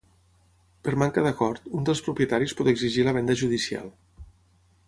Per manca d'acord, un dels propietaris pot exigir la venda judicial.